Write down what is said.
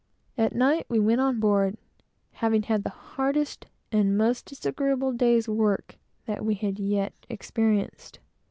At night, we went on board, having had the hardest and most disagreeable day's work that we had yet experienced.